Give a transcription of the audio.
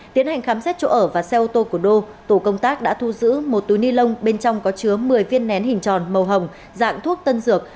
tiến hành khám xét chỗ ở và xe ô tô của đô tổ công tác đã thu giữ một túi ni lông bên trong có chứa một mươi viên nén hình tròn màu hồng dạng thuốc tân dược